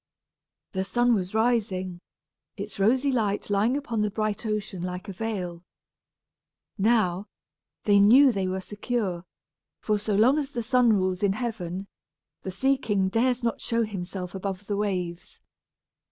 The sun was rising, its rosy light lying upon the bright ocean like a veil. Now, they knew they were secure, for so long as the sun rules in heaven, the sea king dares not show himself above the waves.